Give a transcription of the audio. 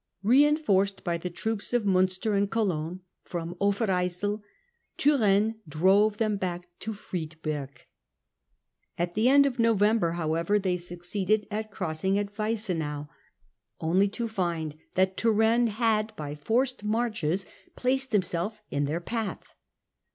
Reinforced by the troops of Winter Munster and Cologne from Overyssel, Turenne campaign • drove them back to Friedberg. At the end of ofthe allies November however they succeeded in crossing by 1 urenne. a t Weissenau, only to find that Turenne had by forced marches placed himself in their path.